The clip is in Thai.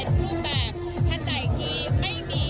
ขอบคุณครับ